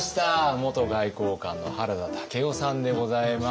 元外交官の原田武夫さんでございます。